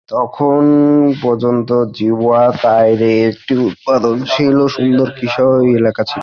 তখন পর্যন্ত জিওয়া তাউরো একটি উৎপাদনশীল এবং সুন্দর কৃষি এলাকা ছিল।